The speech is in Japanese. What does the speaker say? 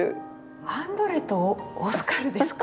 アンドレとオスカルですか。